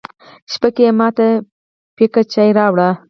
شېبه کې یې ما ته پیکه چای راوړ.